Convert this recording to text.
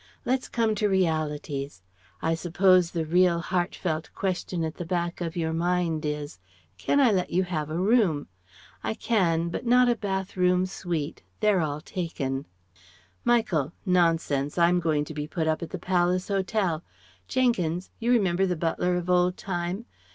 Let's come to realities. I suppose the real heart felt question at the back of your mind is: can I let you have a room? I can, but not a bath room suite; they're all taken..." Michael: "Nonsense! I'm going to be put up at the Palace Hotel. Jenkins you remember the butler of old time?